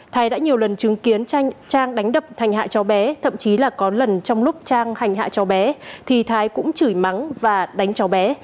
thái đã nhiều lần chứng kiến trang đánh đập hành hạ cho bé thậm chí là có lần trong lúc trang hành hạ cho bé thì thái cũng chửi mắng và đánh cho bé